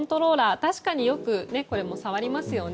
確かによく触りますよね。